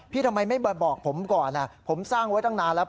ทำไมไม่มาบอกผมก่อนผมสร้างไว้ตั้งนานแล้ว